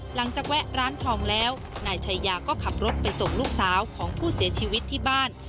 แวะร้านทองแล้วนายชายาก็ขับรถไปส่งลูกสาวของผู้เสียชีวิตที่บ้าน